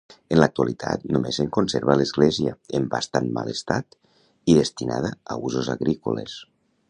En l'actualitat, només se'n conserva l'església, en bastant mal estat i destinada a usos agrícoles.